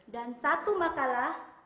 dan satu makalah